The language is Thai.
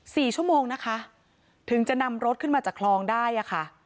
สี่ชั่วโมงนะคะถึงจะนำรถขึ้นมาจากคลองได้อ่ะค่ะ